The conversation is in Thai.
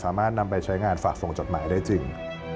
สามารถนำไปใช้งานฝากส่งจดหมายได้จริง